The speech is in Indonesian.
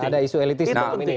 ada isu elitis dalam ini